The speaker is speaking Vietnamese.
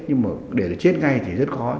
nhưng mà để nó chết ngay thì rất khó